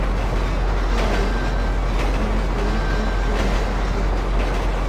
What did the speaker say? Йә әле, малай, уның ҡулын уң ҡулыма тоттор.